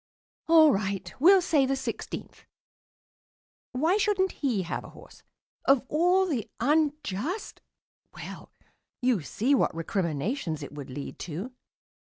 "All right, we'll say the sixteenth. Why shouldn't he have a horse? Of all the unjust Well, you see what recriminations it would lead to.